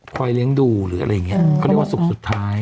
เลี้ยงดูหรืออะไรอย่างเงี้ยเขาเรียกว่าศุกร์สุดท้าย